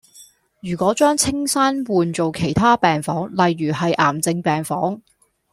如果將青山換做其他病房例如係癌症病房